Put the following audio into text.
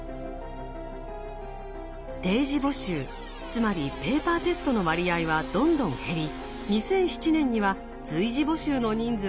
定時募集つまりペーパーテストの割合はどんどん減り２００７年には随時募集の人数が逆転。